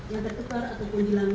yang terkepar atau hilang